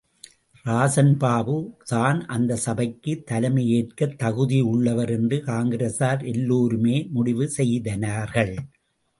ராஜன் பாபு தான் அந்த சபைக்குத் தலைமையேற்கத் தகுதியுள்ளவர் என்று காங்கிரசார் எல்லோருமே முடிவு செய்தார்கள்.